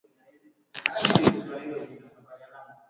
Ulemavu walau wa mguu mmoja